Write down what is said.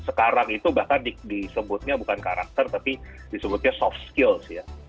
sekarang itu bahkan disebutnya bukan karakter tapi disebutnya soft skills ya